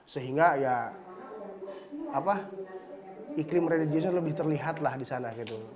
sehingga ya iklim religiusnya lebih terlihat lah di sana gitu